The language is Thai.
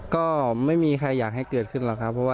ก็ไม่มีใครอยากให้เกิดขึ้นหรอกครับ